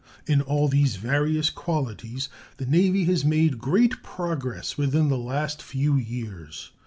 In all these various qualities the Navy has made great progress within the last few years.